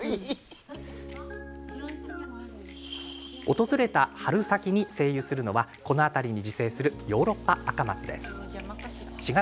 訪れた春先に精油するのはこの辺りに自生するヨーロッパアカマツです。